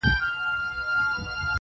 د هوا نه یې مرګ غواړه قاسم یاره,